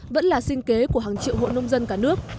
vẫn là sinh kế của hàng triệu hộ nông dân cả nước